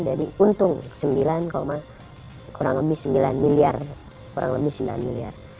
jadi untung sembilan kurang lebih sembilan miliar